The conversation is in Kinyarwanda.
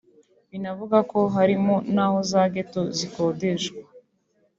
Binavugwa ko harimo n’aho za ghetto zikodeshwa